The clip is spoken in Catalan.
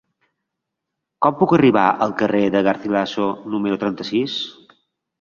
Com puc arribar al carrer de Garcilaso número trenta-sis?